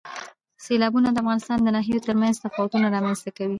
سیلابونه د افغانستان د ناحیو ترمنځ تفاوتونه رامنځ ته کوي.